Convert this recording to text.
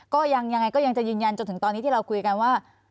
ก็ยังจะยืนยันจนถึงตอนนี้ที่เราคุยกันว่า